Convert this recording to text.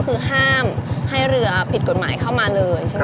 ก็แทบให้เรือผิดกฎหมายเข้ามาเลยใช่ไหมครับ